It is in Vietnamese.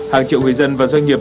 hàng triệu người dân và doanh nghiệp